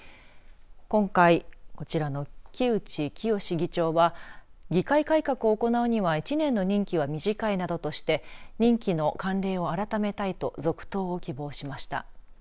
今回、こちらの木内清議長は議会改革を行うには１年の任期は短いなどとして任期の慣例を改めたいと続投を希望しました。